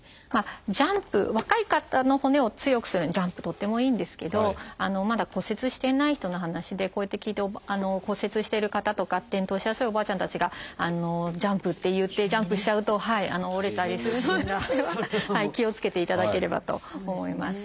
ジャンプ若い方の骨を強くするのにジャンプとってもいいんですけどまだ骨折していない人の話でこうやって聞いて骨折してる方とか転倒しやすいおばあちゃんたちがジャンプっていってジャンプしちゃうと折れたりするので気をつけていただければと思います。